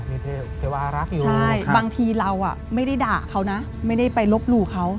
มีเทพเทวารักษ์อยู่ใช่บางทีเราอ่ะไม่ได้ด่าเขานะไม่ได้ไปลบหลู่เขา